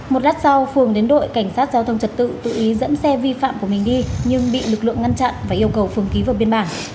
một gác sau phường đến đội cảnh sát giao thông trật tự tự ý dẫn xe vi phạm của mình đi nhưng bị lực lượng ngăn chặn và yêu cầu phường ký vào biên bản